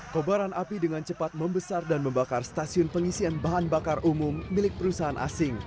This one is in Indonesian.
kobaran api dengan cepat membesar dan membakar stasiun pengisian bahan bakar umum milik perusahaan asing